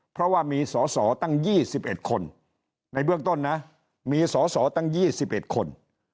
เพราะว่ามีสอสอตั้ง๒๑คนในเบื้องต้นนะมีสอสอตั้ง๒๑คน